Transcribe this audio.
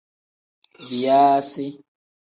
Biyaasi.